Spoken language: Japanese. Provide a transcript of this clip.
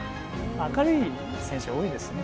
明るい選手多いですね